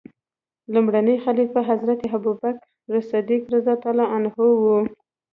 لومړنی خلیفه حضرت ابوبکر صدیق رض و.